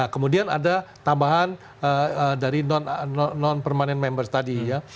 kemudian ada tambahan dari non permanen member tadi ya